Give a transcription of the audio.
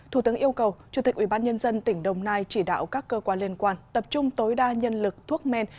thủ tướng yêu cầu chủ tịch ubnd tỉnh đồng nai chỉ đạo các cơ quan liên quan tập trung tối đa nhân lực thuốc men